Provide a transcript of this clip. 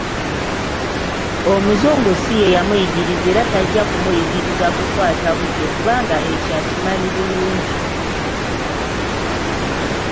Omuzungu si ye yamuyigiriza era tajja kumuyigiriza kukwata budde kubanga ekyo akimanyi bulungi.